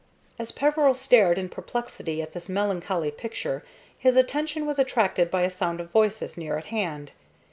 As Peveril stared in perplexity at this melancholy picture his attention was attracted by a sound of voices near at hand.